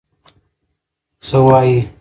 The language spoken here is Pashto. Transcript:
څه وایې؟